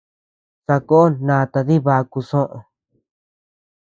Sakón nata dibaku soʼö.